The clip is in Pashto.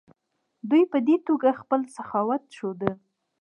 دوی په دې توګه خپل سخاوت ښوده.